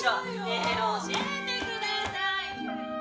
ねえ教えてください。